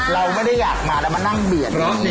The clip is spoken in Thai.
เราไม่ได้อยากมามันนั่งเดือน